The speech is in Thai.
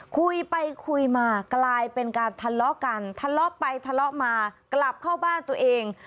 คุยไปคุยมากลายเป็นการทะเลาะกันทะเลาะไปทะเลาะมากลับเข้าบ้านตัวเอง